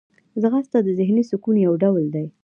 ځغاسته د ذهني سکون یو ډول دی